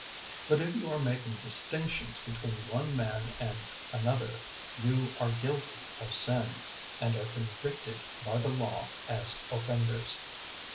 002:009 But if you are making distinctions between one man and another, you are guilty of sin, and are convicted by the Law as offenders.